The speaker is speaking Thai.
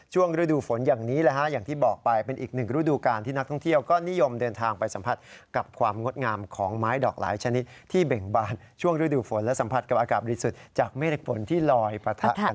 ฤดูฝนอย่างนี้แหละฮะอย่างที่บอกไปเป็นอีกหนึ่งฤดูการที่นักท่องเที่ยวก็นิยมเดินทางไปสัมผัสกับความงดงามของไม้ดอกหลายชนิดที่เบ่งบานช่วงฤดูฝนและสัมผัสกับอากาศบริสุทธิ์จากเมฆฝนที่ลอยปะทะกัน